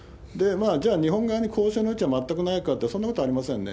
じゃあ、日本側に交渉の余地は全くないかというと、そんなことはありませんね。